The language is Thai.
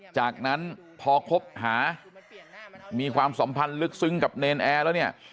จากนั้นพอคบหามีความสัมพันธ์ลึกซึ้งกับเนรนแอร์แล้วเนี่ย